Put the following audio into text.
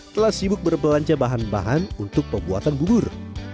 telah sibuk berbelanja bahan bahan untuk pembuatan bubur